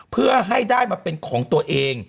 เพื่อให้ได้มาเป็นของตัวเอง